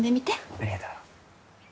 ありがとう。